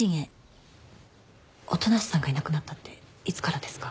音無さんがいなくなったっていつからですか？